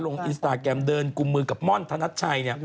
อินสตาแกรมเดินกุมมือกับม่อนธนัชชัย